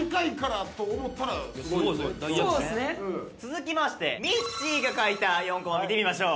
続きましてみっちーが描いた４コマ見てみましょう。